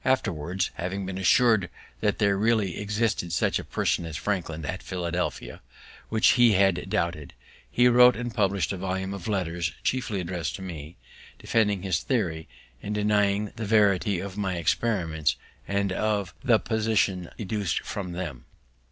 Afterwards, having been assur'd that there really existed such a person as Franklin at Philadelphia, which he had doubted, he wrote and published a volume of Letters, chiefly address'd to me, defending his theory, and denying the verity of my experiments, and of the positions deduc'd from them.